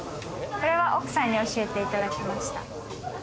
これは奥さんに教えていただきました。